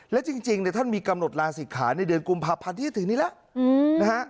และจริงท่านมีกำหนดลาศิกขาในเดือนกุมภาพันธ์ที่จะถึงนี้แล้วนะฮะ